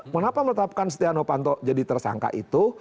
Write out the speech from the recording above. kenapa menetapkan stiano panto jadi tersangka itu